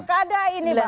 pilih kada ini bang